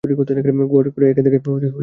ঘোড়ায় করে এখান থেকে ওখানে যাওয়া সম্ভব না।